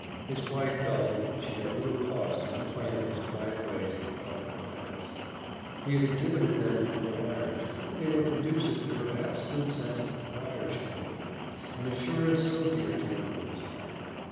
His wife felt that she had little cause to complain of his quiet ways and methodical habits. He had exhibited them before marriage and they were conducive to her absolute sense of proprietorship in him an assurance so dear to a woman's heart.